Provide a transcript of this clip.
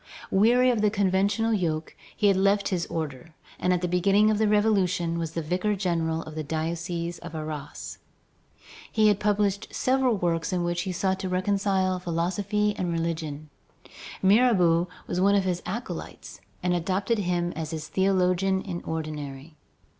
Weary of the conventual yoke, he had left his order, and at the beginning of the Revolution was the vicar general of the diocese of Arras. He had published several works in which he sought to reconcile philosophy and religion. Mirabeau was one of his acolytes and adopted him as his theologian in ordinary.